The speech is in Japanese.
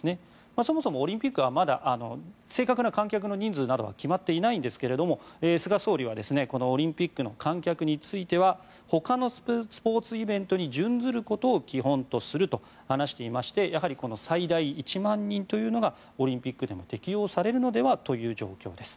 そもそもオリンピックはまだ正確な観客の人数などが決まっていないんですが菅総理はオリンピックの観客についてはほかのスポーツイベントに準ずることを基本とすると話していましてやはりこの最大１万人というのがオリンピックでも適用されるのではという状況です。